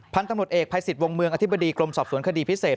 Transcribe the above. พันธุ์ตำรวจเอกภัยสิทธิ์วงเมืองอธิบดีกรมสอบสวนคดีพิเศษ